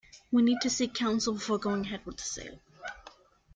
We need to seek counsel before going ahead with the sale.